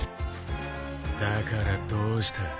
だからどうした。